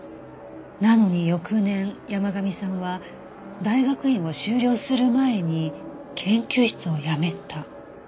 なのに翌年山神さんは大学院を修了する前に研究室を辞めた